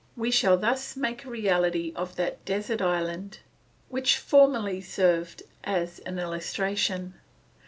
We shall thus make a reality of that desert island which formerly served as an illustration.